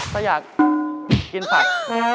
ก็อยากกินผัก